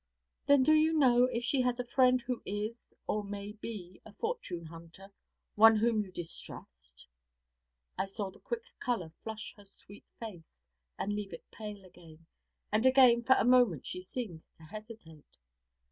'Then do you know if she has a friend who is, or may be, a fortune hunter, one whom you distrust?' I saw the quick colour flush her sweet face and leave it pale again, and again for a moment she seemed to hesitate.